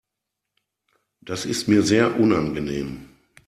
Das ist mir sehr unangenehm.